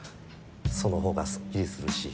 そのほうがすっきりするし。